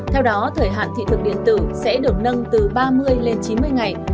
theo đó thời hạn thị thực điện tử sẽ được nâng từ ba mươi lên chín mươi ngày